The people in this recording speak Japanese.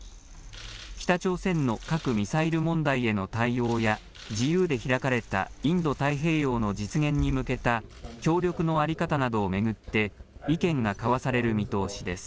北朝鮮の核・ミサイル問題への対応や、自由で開かれたインド太平洋の実現に向けた、協力の在り方などを巡って意見が交わされる見通しです。